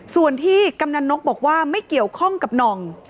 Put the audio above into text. ส่วนที่กำนันนกบอกว่าไม่เกี่ยวข้องกับหน่อง